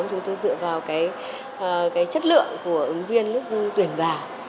chúng tôi dựa vào cái chất lượng của ứng viên lúc tuyển vào